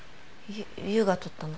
ゆ優が撮ったの？